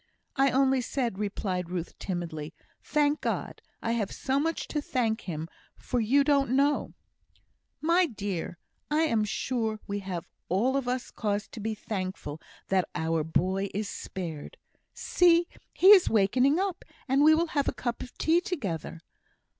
"I only said," replied Ruth, timidly, "thank God! I have so much to thank Him for, you don't know." "My dear, I am sure we have all of us cause to be thankful that our boy is spared. See! he is wakening up; and we will have a cup of tea together."